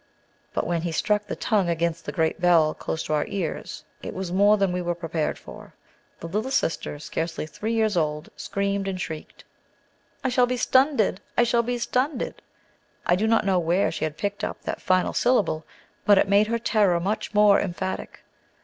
But when he struck the tongue against the great bell, close to our ears, it was more than we were prepared for. The little sister, scarcely three years old, screamed and shrieked, "I shall be stunned ded! I shall be stunned ded!" I do not know where she had picked up that final syllable, but it made her terror much more emphatic.